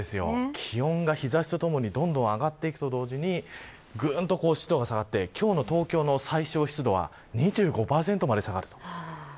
気温が日差しとともに気温が上がってると同時にぐんと湿度が下がって東京の最小湿度は２５％まで下がると。